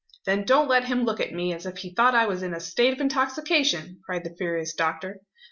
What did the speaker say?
"Then don't let him look at me as if he thought I was in a state of intoxication!" cried the furious doctor.